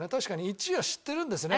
１位は知ってるんですね。